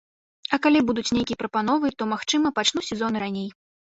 А калі будуць нейкія прапановы, то магчыма пачну сезон і раней.